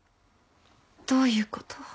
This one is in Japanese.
どういうこと？